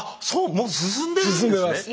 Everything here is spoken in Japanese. もう進んでるんですね？